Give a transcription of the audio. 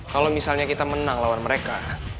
kalau misalnya kita menang lawan mereka